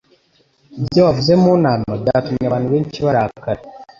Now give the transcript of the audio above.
Ibyo wavuze mu nama byatumye abantu benshi barakara.